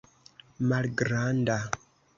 malgranda